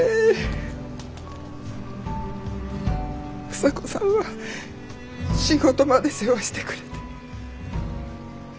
房子さんは仕事まで世話してくれて。